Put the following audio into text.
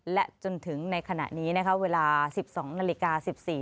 และจนถึงในขณะนี้เวลา๑๒นาที